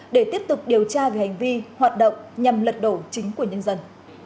để tiếp tục điều tra về hành vi hoạt động nhằm lật đổ chính quyền nhân dân